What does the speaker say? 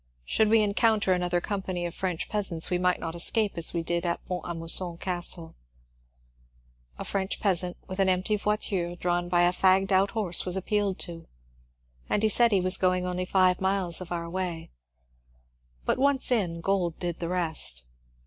Should we encounter another company of French peasants we might not escape as we did at Font a Mousson Castle. A French peasant with an empty voiture drawn by a fagged out horse was appealed to, and said he was going only five miles oi our way ; but once in, gold did the rest.